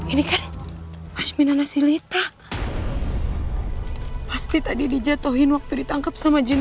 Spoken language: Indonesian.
ini kan asminah nasi lita pasti tadi dijatuhin waktu ditangkap sama jinn